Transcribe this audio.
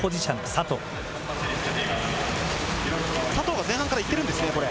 佐藤が前半からいってるんですね、これ。